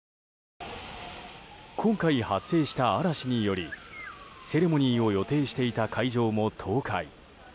今回、発生した嵐によりセレモニーを予定していた会場も倒壊。